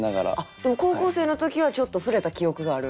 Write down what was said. でも高校生の時はちょっと触れた記憶がある？